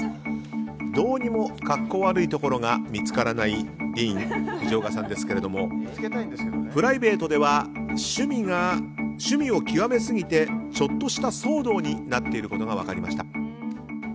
どうにも格好悪いところが見つからないディーン・フジオカさんですがプライベートでは趣味を極めすぎてちょっとした騒動になっていることが分かりました。